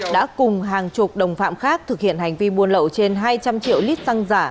đã cùng hàng chục đồng phạm khác thực hiện hành vi buôn lậu trên hai trăm linh triệu lít xăng giả